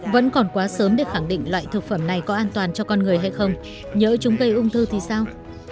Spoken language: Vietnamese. vẫn còn quá sớm để khẳng định loại thực phẩm này có an toàn cho con người hay không nhớ chúng gây ung thư thì sao